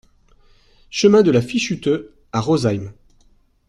Chemin de la Fischhutte à Rosheim